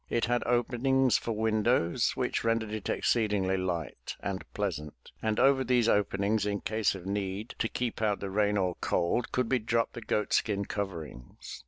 It had openings for windows which rendered it exceedingly light and pleasant, and over these openings in case of need to keep out the rain or cold could be dropped the goat skin coverings.